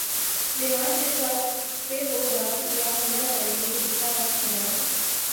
دھیان اس بات پہ ہو گا یا ہونا چاہیے کہ جتنا وقت ملا ہے۔